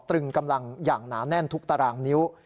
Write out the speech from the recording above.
ตรึงกำลังอย่างหนาแน่นทุกตารางนิ้ว